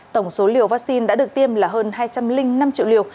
tổng số liều vaccine đã được tiêm là hơn hai trăm linh năm triệu liều